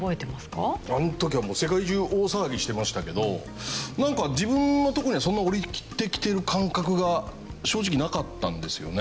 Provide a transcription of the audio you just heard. あの時はもう世界中大騒ぎしてましたけどなんか自分のところにはそんな下りてきてる感覚が正直なかったんですよね。